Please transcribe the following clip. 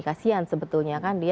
kasian sebetulnya kan dia